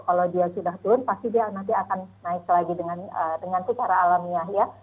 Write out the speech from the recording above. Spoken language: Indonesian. kalau dia sudah turun pasti dia nanti akan naik lagi dengan secara alamiah ya